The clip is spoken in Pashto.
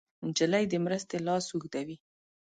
نجلۍ د مرستې لاس اوږدوي.